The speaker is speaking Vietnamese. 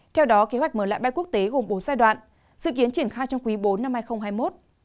theo đó kế hoạch mở lại bay quốc tế gồm bốn giai đoạn dự kiến triển khai trong quý bốn năm hai nghìn hai mươi một